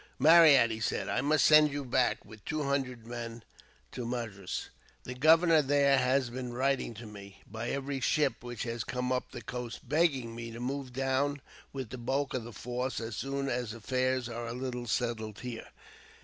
"Marryat," he said, "I must send you back, with two hundred men, to Madras. The governor there has been writing to me, by every ship which has come up the coast, begging me to move down with the bulk of the force, as soon as affairs are a little settled here.